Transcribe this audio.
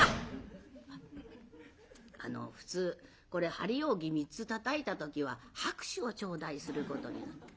あの普通これ張り扇３つたたいた時は拍手を頂戴することになって。